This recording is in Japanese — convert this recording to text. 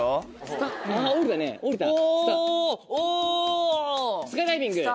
スカイダイビング！